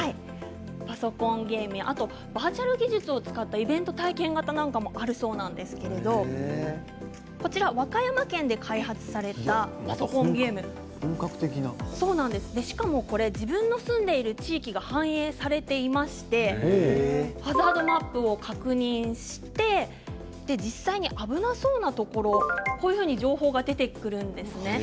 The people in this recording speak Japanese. パソコンゲームそしてバーチャル技術を使ったイベント体験型もあるそうなんですけれども和歌山県で開発されたパソコンゲームしかも自分の住んでいる地域が反映されていましてハザードマップを確認して実際に危なそうなところを情報が出てくるんですね。